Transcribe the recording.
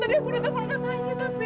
tadi aku udah telepon tanya tapi